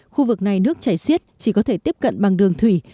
khu vực này nước chảy xiết chỉ có thể tiếp cận bằng đường thủy